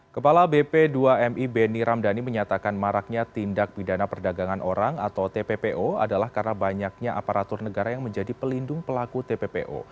kepala bp dua mi beni ramdhani menyatakan maraknya tindak pidana perdagangan orang atau tppo adalah karena banyaknya aparatur negara yang menjadi pelindung pelaku tppo